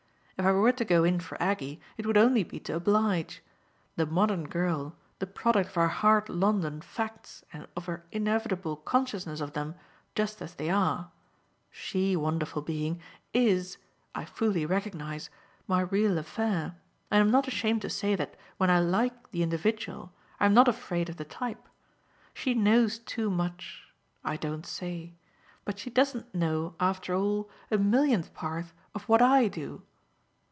If I were to go in for Aggie it would only be to oblige. The modern girl, the product of our hard London facts and of her inevitable consciousness of them just as they are she, wonderful being, IS, I fully recognise, my real affair, and I'm not ashamed to say that when I like the individual I'm not afraid of the type. She knows too much I don't say; but she doesn't know after all a millionth part of what I do."